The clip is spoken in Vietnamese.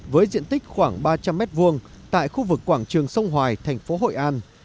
với diện tích khoảng ba trăm linh m hai tại khu vực quảng trường sông hoài thành phố hội an